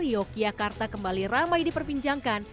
yogyakarta kembali ramai diperpinjangkan